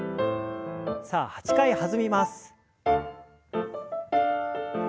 さあ８回弾みます。